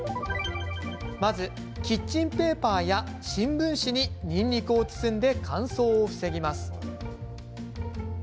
まずキッチンペーパーや新聞紙ににんにくを包んで乾燥を防ぎます。